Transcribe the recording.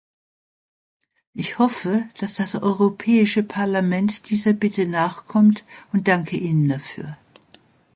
Ich hoffe, dass das Europäische Parlament dieser Bitte nachkommt und danke Ihnen dafür.